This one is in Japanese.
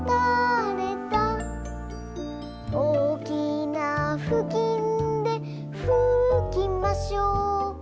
「おおきなふきんでふきましょう」